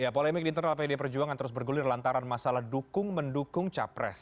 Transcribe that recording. polemik di internal pdi perjuangan terus bergulir lantaran masalah dukung mendukung capres